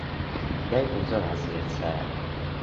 دایکم زۆر حەزی لە چایە.